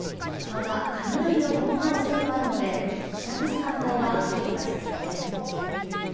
また、雷を伴う恐れもあるので帰宅時間帯は注意が必要です。